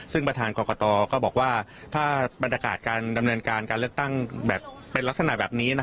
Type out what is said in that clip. ซึ่งประธานกรกตก็บอกว่าถ้าบรรยากาศการดำเนินการการเลือกตั้งแบบเป็นลักษณะแบบนี้